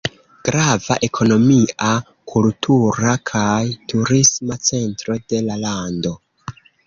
Grava ekonomia, kultura kaj turisma centro de la lando.